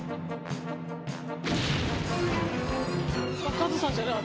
カズさんじゃない？